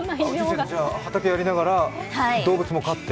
畑をやりながら動物も飼って？